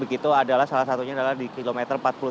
salah satunya adalah di kilometer empat puluh tujuh